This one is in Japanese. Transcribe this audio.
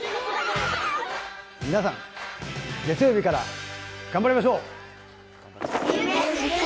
皆さん、月曜日から頑張りましょう！